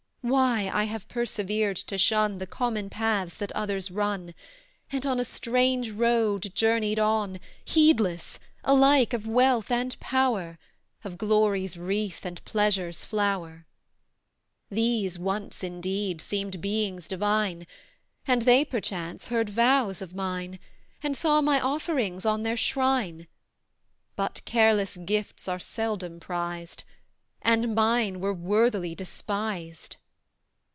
Why I have persevered to shun The common paths that others run; And on a strange road journeyed on, Heedless, alike of wealth and power Of glory's wreath and pleasure's flower. These, once, indeed, seemed Beings Divine; And they, perchance, heard vows of mine, And saw my offerings on their shrine; But careless gifts are seldom prized, And MINE were worthily despised.